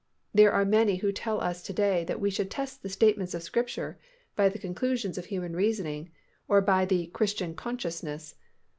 There are many who tell us to day that we should test the statements of Scripture by the conclusions of human reasoning or by the "Christian consciousness."